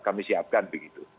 kami siapkan begitu